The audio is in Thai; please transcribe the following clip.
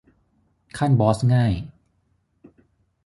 ขั้นบอสง่าย